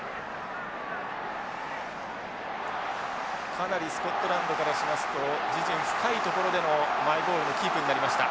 かなりスコットランドからしますと自陣深いところでのマイボールのキープになりました。